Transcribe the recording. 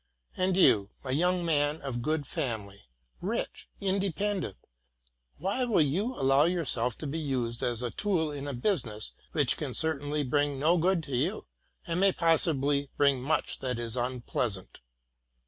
And you, a young man of good family, rich, independent, why will you allow yourself to be used as a tool in a business which can certainly bring no good to you, and may possibly bring much that is unpleasant?